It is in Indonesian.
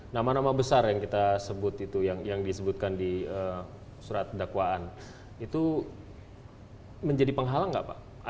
nama nama besar yang kita sebut itu yang disebutkan di surat dakwaan itu menjadi penghalang nggak pak